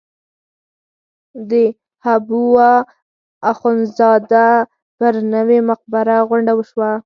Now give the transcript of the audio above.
د حبواخندزاده پر نوې مقبره غونډه وشوه.